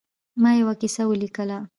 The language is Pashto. ما یوه کیسه ولیکله.